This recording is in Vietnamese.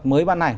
mới bắt đầu